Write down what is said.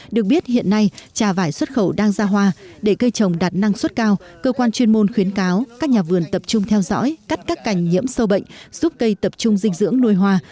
được biết hiện nay trà vải xuất khẩu đang ra hoa để cây trồng đạt năng suất cao cơ quan chuyên môn khuyến cáo các nhà vườn tập trung theo dõi cắt các cành nhiễm sâu bệnh giúp cây tập trung dinh dưỡng nuôi hoa